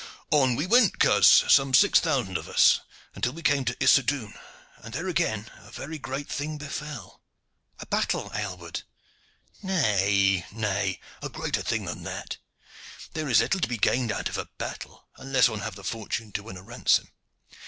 "On we went, coz, some six thousand of us, until we came to Issodun, and there again a very great thing befell." "A battle, Aylward?" "Nay, nay; a greater thing than that. There is little to be gained out of a battle, unless one have the fortune to win a ransom.